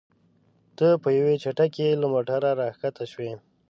ته په یوې چټکۍ له موټره راښکته شوې.